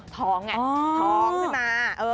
ท้องไงท้องขึ้นมา